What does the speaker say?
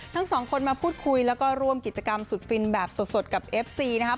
ทั้งสองคนมาพูดคุยแล้วก็ร่วมกิจกรรมสุดฟินแบบสดกับเอฟซีนะครับ